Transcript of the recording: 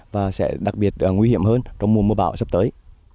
và sẽ đặc biệt nguy hiểm hơn trong mùa mưa bão sắp tới